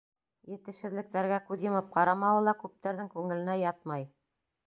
Етешһеҙлектәргә күҙ йомоп ҡарамауы ла күптәрҙең күңеленә ятмай.